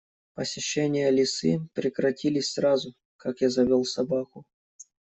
Посещения лисы прекратились сразу, как я завёл собаку.